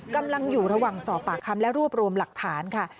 กำลังอยู่ระหว่างสอบปากคำและรวบรวมหลักฐานค่ะ